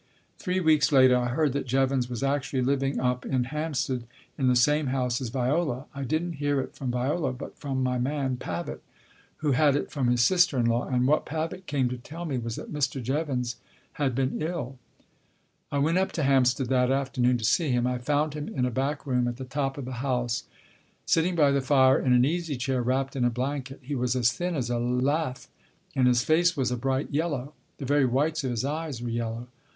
Three weeks later I heard that Jevons was actually living up in Hampstead in the same house as Viola. I didn't hear it from Viola, but from my man, Pavitt, who Book I : My Book 31 had it from his sister in law. And what Pavitt came to tell me was that Mr. Jevons had been ill. I went up to Hampstead that afternoon to see him. I found him in a back room, at the top of the house, sitting by the fire in an easy chair, wrapped in a blanket. He was as thin as a lath and his face was a bright yellow. The very whites of his eyes were yellow.